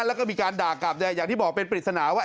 แล้วก็มีการด่ากลับอย่างที่บอกเป็นปริศนาว่า